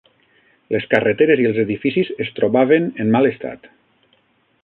Les carreteres i els edificis es trobaven en mal estat